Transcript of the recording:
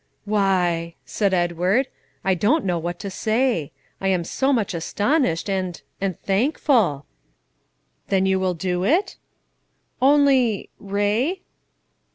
"Why," said Edward, "I don't know what to say; I am too much astonished, and and thankful." "Then you will do it?" "Only, Ray?"